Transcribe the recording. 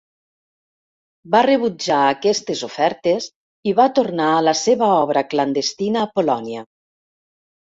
Va rebutjar aquestes ofertes i va tornar a la seva obra clandestina a Polònia.